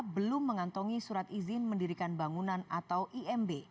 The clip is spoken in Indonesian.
belum mengantongi surat izin mendirikan bangunan atau imb